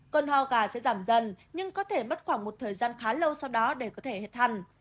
cơn hoa gà sẽ giảm dần nhưng có thể mất khoảng một thời gian khá lâu sau đó để có thể hết thần